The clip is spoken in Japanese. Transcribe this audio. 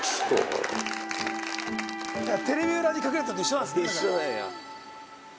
テレビ裏に隠れるのと一緒なんですね。